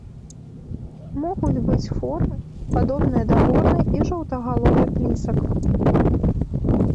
Могуць быць формы, падобныя да горнай і жоўтагаловай плісак.